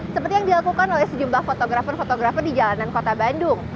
seperti yang dilakukan oleh sejumlah fotografer fotografer di jalanan kota bandung